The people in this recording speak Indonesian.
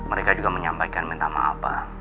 mereka juga menyampaikan minta maaf pak